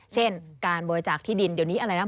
เช่นการบริจาคที่ดินเดี๋ยวนี้อะไรนะ